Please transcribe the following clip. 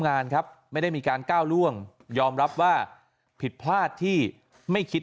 งานครับไม่ได้มีการก้าวล่วงยอมรับว่าผิดพลาดที่ไม่คิด